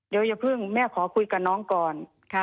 เดี๋ยวอย่าเพิ่งแม่ขอคุยกับน้องก่อน